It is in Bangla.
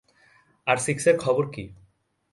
আর সিক্সের খবর কী?